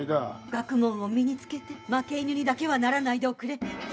学問を身につけ負け犬にだけはならないでおくれ。